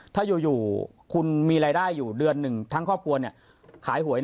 ถ้าอยู่คุณมีรายได้อยู่เดือนหนึ่งทั้งครอบครัวเนี่ยขายหวย